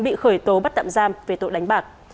bắt tạm giam về tội đánh bạc